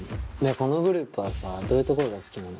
このグループはさどういうところが好きなの？